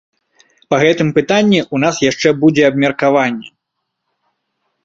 Па гэтым пытанні ў нас яшчэ будзе абмеркаванне.